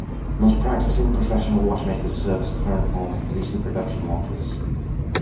Most practising professional watchmakers service current or recent production watches.